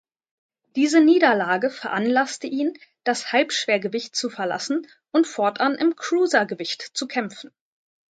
Diese Niederlage veranlasste ihn, das Halbschwergewicht zu verlassen und fortan im Cruisergewicht zu kämpfen.